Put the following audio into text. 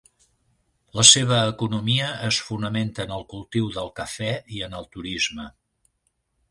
La seva economia es fonamenta en el cultiu del cafè i en el turisme.